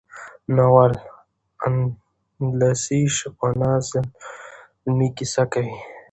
ناول د اندلسي شپانه زلمي کیسه کوي.